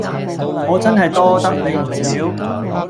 我真係多得你唔少